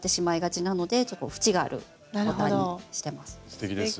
すてきです。